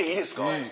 はい。